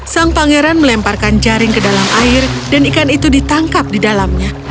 sang pangeran melemparkan jaring ke dalam air dan ikan itu ditangkap di dalamnya